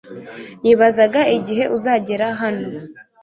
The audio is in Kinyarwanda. nibazaga igihe uzagera hano